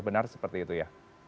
benar seperti itu ya